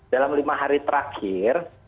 dalam lima hari terakhir